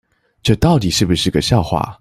這到底是不是個笑話